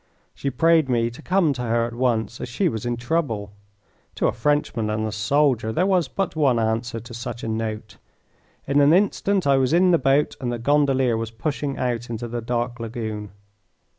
She prayed me to come to her at once as she was in trouble. To a Frenchman and a soldier there was but one answer to such a note. In an instant I was in the boat and the gondolier was pushing out into the dark lagoon.